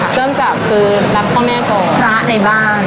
สำคัญที่สุดค่ะเบื้องกลับคือรับพ่อแม่ก่อนพระในบ้าน